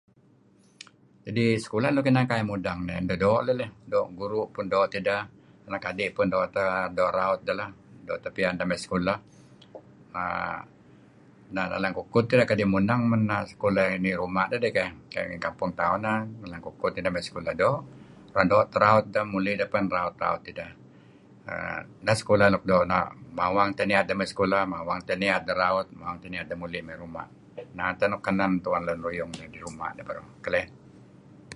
Idih sekulah nuk inan kai mudeng nih doo' idih leh, guru' men doo' tideh, anak adi' peh doo' doo' raut deh doo' teh piyan deh me sekulah err nalan kukud tideh kadi' muneng teh sekulah dedih ngi ruma dedih keh; Kayu' ngi kampung tauh neh nalan kukud iden mey sekulah. Doo' teh raut deh, muli' deh pen raut-raut tideh. Neh teh sekulah nuk mawang teh niyat deh mey sekulah mawang teh niyat deh muli' sekulah, inan teh nuk kenen tu'en lun ruyung deh ngi ruma' dedih beruh.